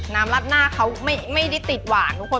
รัดหน้าเขาไม่ได้ติดหวานทุกคน